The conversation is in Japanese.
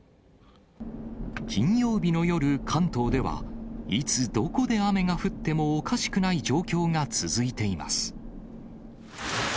金曜日の夜、関東では、いつ、どこで雨が降ってもおかしくない状況が続いています。